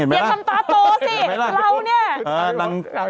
ไม่ไปทำตาโตสิเรานี่